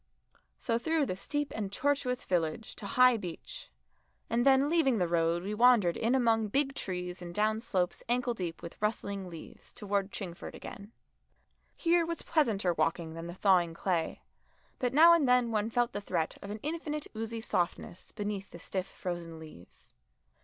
So through the steep and tortuous village to High Beech, and then leaving the road we wandered in among big trees and down slopes ankle deep with rustling leaves towards Chingford again. Here was pleasanter walking than the thawing clay, but now and then one felt the threat of an infinite oozy softness beneath the stiff frozen leaves.